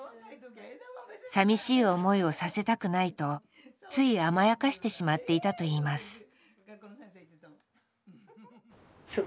さみしい思いをさせたくないとつい甘やかしてしまっていたといいます。